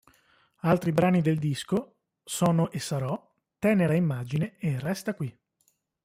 Altri brani del disco: "Sono e sarò", "Tenera immagine" e "Resta qui".